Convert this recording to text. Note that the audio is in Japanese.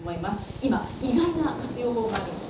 今、意外な活用法もあるんです。